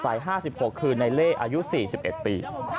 ๕๖คือในเล่อายุ๔๑ปี